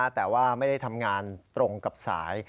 แต่ว่าไม่ได้ทำงานตรงกับสาย